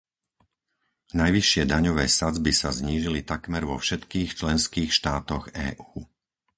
Najvyššie daňové sadzby sa znížili takmer vo všetkých členských štátoch EÚ.